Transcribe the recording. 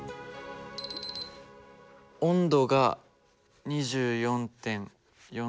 温度が２４．４℃。